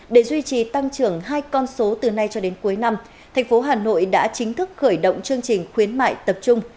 để duy trì tăng trưởng hai con số từ nay cho đến cuối năm thành phố hà nội đã chính thức khởi động chương trình khuyến mại tập trung